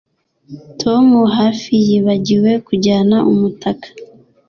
Tom hafi yibagiwe kujyana umutaka